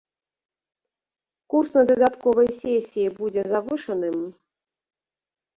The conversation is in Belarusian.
Курс на дадатковай сесіі будзе завышаным?